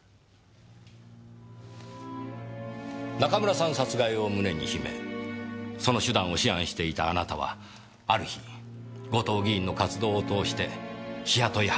中村さん殺害を胸に秘めその手段を思案していたあなたはある日後藤議員の活動を通して日雇い派遣に出会いました。